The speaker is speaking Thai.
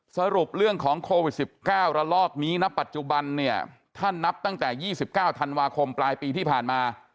สรุปเรื่องของโควิด๑๙ระลอกนี้ณปัจจุบันเนี่ยถ้านับตั้งแต่๒๙ธันวาคมปลายปีที่ผ่านมา